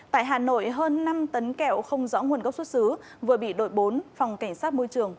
tại hà nội hơn năm tấn kẹo không rõ nguồn gốc xuất xứ vừa bị đội bốn phòng cảnh sát môi trường